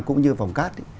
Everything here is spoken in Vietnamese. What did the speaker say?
cũng như vòng cát